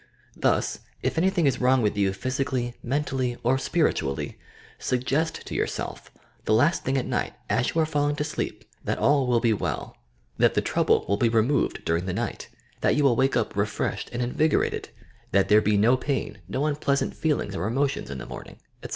Thus, if anything is wrong with you physically, mentally, or spiritually, suggest to yourself, the last thing at night, as you are falling to sleep, that all will be well, that the trouble will be removed during 3 38 YOUR PSYCHIC POWERS the night, that you will wake up refreshed and invigo rated, that there be no pain, no unpleasant feelings or emotions in the morning, etc.